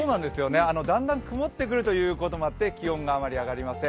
だんだん曇ってくるということもあって、気温があまり上がりません。